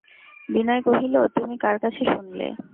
বিনয় কহিল, তুমি কার কাছে শুনলে?